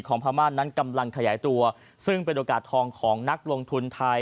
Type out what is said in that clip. ิตคอยของพาลมาร์นั้นกำลังขยายตัวซึ่งเป็นโอกาสทองของนักลงทุนไทย